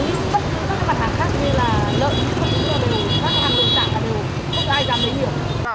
các cái hàng bình tẳng là đều không có ai dám để nhiều